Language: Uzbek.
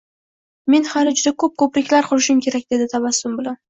Men hali juda ko`p ko`priklar qurishim kerak, dedi tabassum bilan